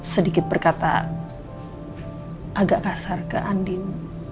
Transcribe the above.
sedikit berkata agak kasar ke andin